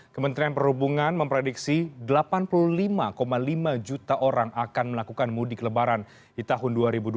kementerian perhubungan memprediksi delapan puluh lima lima juta orang akan melakukan mudik lebaran di tahun dua ribu dua puluh tiga